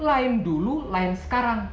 lain dulu lain sekarang